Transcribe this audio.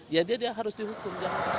ya dia harus dihukum